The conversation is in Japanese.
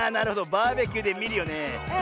バーベキューでみるよね。